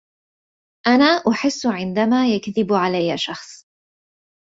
أنا أحس عندما يكذب علي شخص